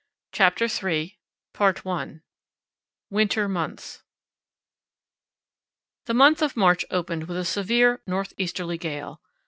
CHAPTER III WINTER MONTHS The month of March opened with a severe north easterly gale.